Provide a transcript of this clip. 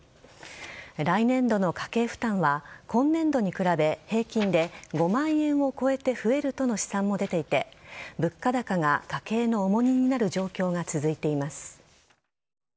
来年度の家計負担は今年度に比べ平均で５万円を超えて増えるとの試算も出ていて物価高が家計の重荷になる状況が続いています。